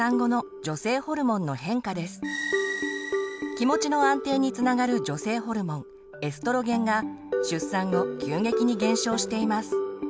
気持ちの安定につながる女性ホルモンエストロゲンが出産後急激に減少しています。